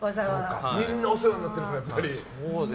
みんなお世話になってるからやっぱり。